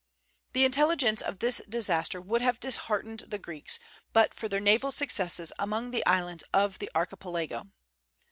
The intelligence of this disaster would have disheartened the Greeks but for their naval successes among the islands of the Archipelago.